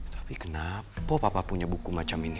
tapi kenapa kok papa punya buku macam ini